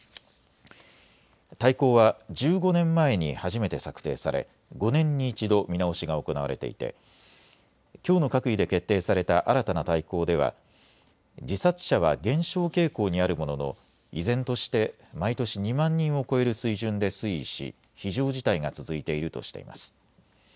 大綱は１５年前に初めて策定され５年に１度見直しが行われていて、きょうの閣議で決定された新たな大綱では自殺者は減少傾向にあるものの依然として毎年２万人を超える水準で推移し、非常事態が続いているとしています。